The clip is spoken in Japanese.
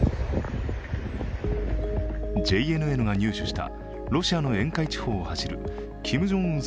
ＪＮＮが入手した、ロシアの沿海地方を走るキム・ジョンウン